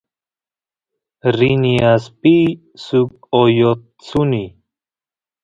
rini aspiy suk oyot suni